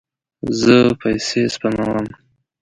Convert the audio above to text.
زه پیسې سپموم